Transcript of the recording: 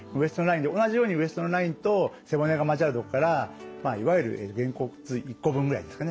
同じようにウエストのラインと背骨が交わるとこからいわゆるげんこつ１個分ぐらいですかね。